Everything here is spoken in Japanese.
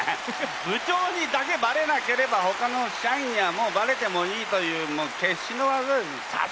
部長にだけバレなければほかの社員にはもうバレてもいいという決死の技ですね。